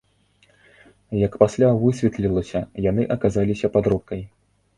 Як пасля высветлілася, яны аказаліся падробкай.